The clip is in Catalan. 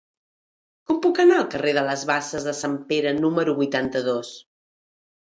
Com puc anar al carrer de les Basses de Sant Pere número vuitanta-dos?